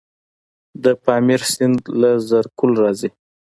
د پامیر سیند له زرکول راځي